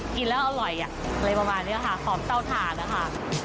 กินแล้วอร่อยอะไรประมาณนี้ค่ะหอมเตาถ่านนะคะ